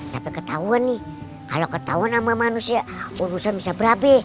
tapi ketahuan nih kalau ketahuan sama manusia urusan bisa berabe